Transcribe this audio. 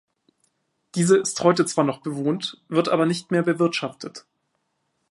Diese ist heute zwar noch bewohnt, wird aber nicht mehr bewirtschaftet.